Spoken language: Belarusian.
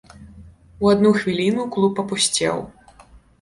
У адну хвіліну клуб апусцеў.